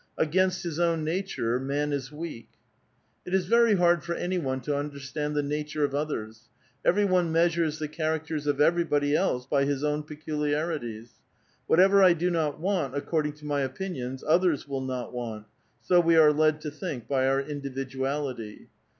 Against liic own nature man is weak. '* it is very hard for an} one to understand the nature of others. Every one measures the characters of everybody else by his own peculiarities. Whatever I do not want, '\ according to my opinions, others will not want ; so we are ; led to think by our individuality.